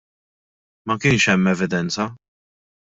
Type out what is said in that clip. Ma kienx hemm evidenza.